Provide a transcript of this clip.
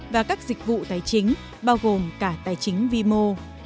và các dịch vụ tài chính bao gồm cả tài chính vi mô